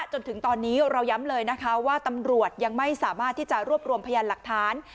จนถึงตอนนี้เราย้ำเลยนะคะว่าตำรวจยังไม่สามารถที่จะรวบรวมพยานหลักฐาน